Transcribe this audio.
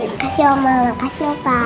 makasih oma makasih opa